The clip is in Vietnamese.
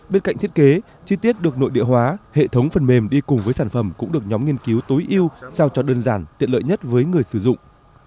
bên cạnh thiết kế chi tiết được nội địa hóa hệ thống phần mềm đi cùng với sản phẩm cũng được nhóm nghiên cứu tối yêu sao cho đơn giản tiện lợi nhất với người sử dụng